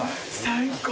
最高！